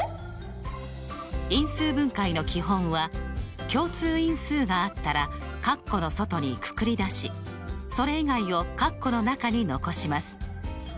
因数分解の基本は共通因数があったらカッコの外にくくり出しそれ以外をカッコの中に残します。